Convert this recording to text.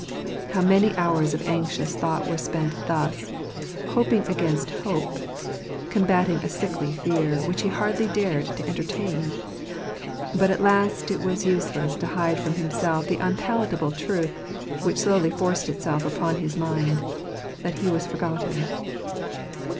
How many houTS of anxious thought were spent thus, hoping against hope, combating a sickly fear, which he hardly dared to entertain ! But at last it was useless to hide from himself the unpalatable truth, which slowly forced itself upon his mind, that he was forgotten.